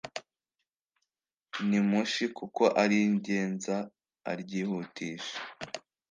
nimushi kuko arigenza aryihutisha